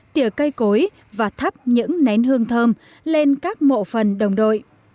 tỉa cây cối và thắp những nén hương thơm lên các mộ phần đồng đội